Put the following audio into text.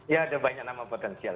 ya ada banyak nama potensial